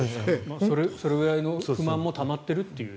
それぐらいの不満もたまっているという。